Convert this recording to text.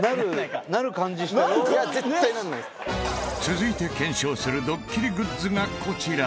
続いて検証するドッキリグッズがこちら。